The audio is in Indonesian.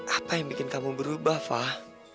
apa yang bikin kamu berubah fah